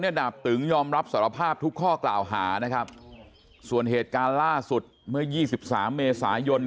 ดาบตึงยอมรับสารภาพทุกข้อกล่าวหานะครับส่วนเหตุการณ์ล่าสุดเมื่อ๒๓เมษายน